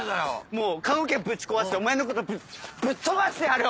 もう棺おけぶち壊してお前のことぶっ飛ばしてやるよ！